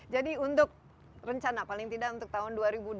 jadi untuk rencana paling tidak untuk tahun dua ribu dua puluh dua